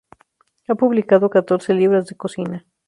Ha publicado catorce libros de cocina.